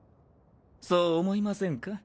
そう思いませんか？